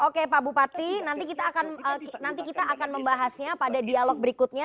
oke pak bupati nanti kita akan membahasnya pada dialog berikutnya